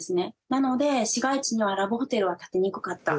なので市街地にはラブホテルは建てにくかった。